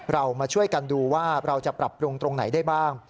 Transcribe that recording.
เรามาช่วยกันดูว่าเราจะปรับปรุงตรงไหนได้บ้าง